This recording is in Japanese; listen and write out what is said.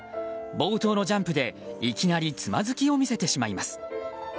冒頭のジャンプでいきなりつまずきを見せてしまいます。